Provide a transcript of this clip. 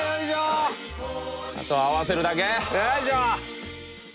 あとは合わせるだけよいしょ！